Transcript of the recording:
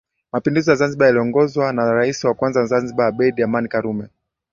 Mapinduzi ya Zanzibar yaliongozwa na rais wa kwanza wa Zanzibar abeid amani karume